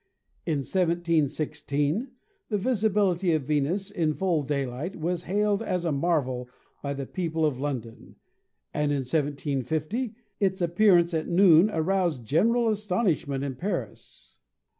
In 1716 the visibility of Venus in full daylight was hailed as a marvel by the peo ple of London, and in 1750 its appearance at noon aroused general astonishment in Paris.